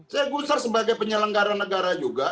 saya gusar sebagai penyelenggara negara juga